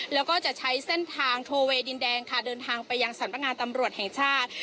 แล้วก็จะใช้เส้นทางโทเวดินแดงค่ะเดินทางไปยังสำนักงานตำรวจแห่งชาติ